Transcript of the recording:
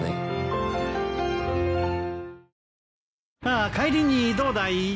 ああ帰りにどうだい？